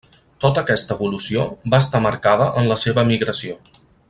Tota aquesta evolució va estar marcada en la seva emigració.